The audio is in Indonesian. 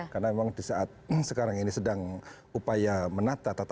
karena memang di saat sekarang ini sedang upaya menata tata kelola perikanan indonesia